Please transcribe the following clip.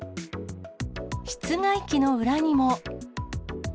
室外機の裏にも。